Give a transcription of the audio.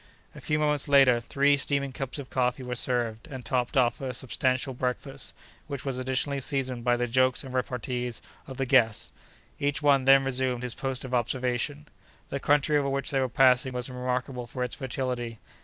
A few moments later, three steaming cups of coffee were served, and topped off a substantial breakfast, which was additionally seasoned by the jokes and repartees of the guests. Each one then resumed his post of observation. The country over which they were passing was remarkable for its fertility.